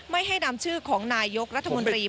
ไม่ให้นำชื่อของนายกรัฐมนตรี